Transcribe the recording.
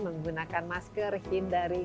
menggunakan masker hindari